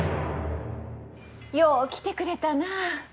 よう来てくれたなあ。